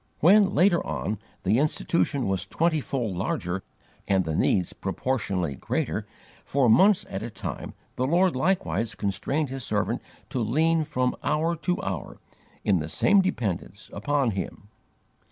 When, later on, the Institution was twentyfold larger and the needs proportionately greater, for months at a time the Lord likewise constrained His servant to lean from hour to hour, in the same dependence, upon Him.